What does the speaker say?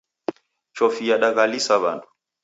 Chofi yadaghalisa w'andu.